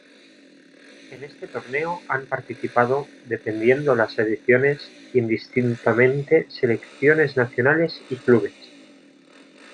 En este torneo han participado, dependiendo las ediciones, indistintamente selecciones nacionales y clubes.